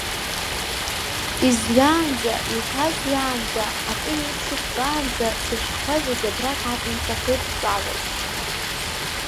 Изҩаанӡа, еиҭазҩаанӡа, акы иеиԥшыстәаанӡа, сышәҟәқәа зегьы абраҟа акәын сахьрыдтәалаз.